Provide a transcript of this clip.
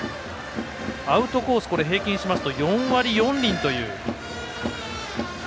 アウトコース、平均しますと４割４厘という。